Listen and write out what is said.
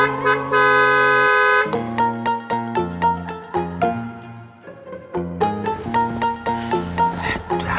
eh dah buka pager lama